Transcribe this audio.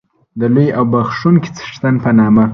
د لوی او بخښونکی څښتن په نامه